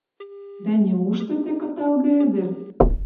Дӓ неужты тӹ кыталгы ӹдӹр